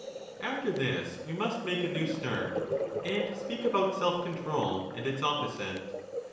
After this we must make a new start and speak about 4 self control and its opposite.